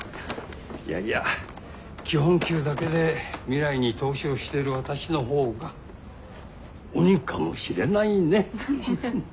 いやいや基本給だけで未来に投資をしてる私の方が鬼かもしれないね。